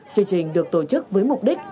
chương trình được tổ chức với mục đích